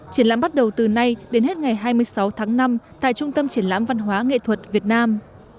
triển lãm bắt đầu từ nay đến hết ngày hai mươi sáu tháng năm tại trung tâm triển lãm văn hóa nghệ thuật việt nam